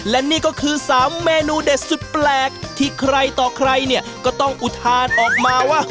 และนี่ก็คือ๓เมนูเด็ดสุดแปลกที่ใครต่อใครเนี่ยก็ต้องอุทานออกมาว่า